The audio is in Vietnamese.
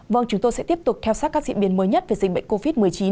vâng chúng tôi sẽ tiếp tục theo sát các diễn biến mới nhất về dịch bệnh covid một mươi chín